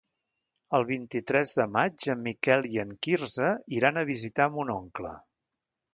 El vint-i-tres de maig en Miquel i en Quirze iran a visitar mon oncle.